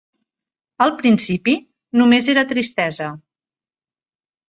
Al principi només era tristesa.